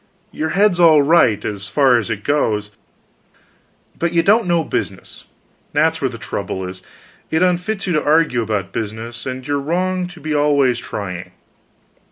Your head's all right, as far as it goes, but you don't know business; that's where the trouble is. It unfits you to argue about business, and you're wrong to be always trying.